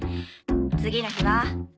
次の日は？